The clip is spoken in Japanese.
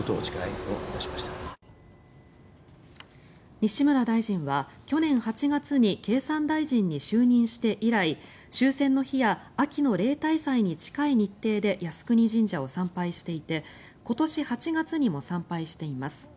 西村大臣は去年８月に経産大臣に就任して以来終戦の日や秋の例大祭に近い日程で靖国神社を参拝していて今年８月にも参拝しています。